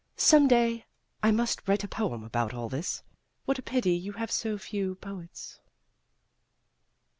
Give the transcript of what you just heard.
Some day I must write a poem about all this. What a pity you have so few poets